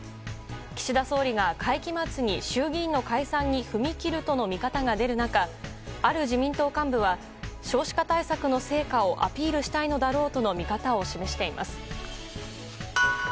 岸田総理が会期末に衆議院の解散に踏み切るとの見方が出る中、ある自民党幹部は少子化対策の成果をアピールしたいのだろうとの見方を示しています。